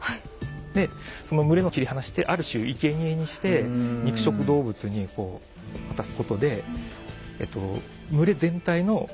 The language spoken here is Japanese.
でその群れを切り離してある種いけにえにして肉食動物にこう渡すことでえっと群れ全体の存続を図ってるとか。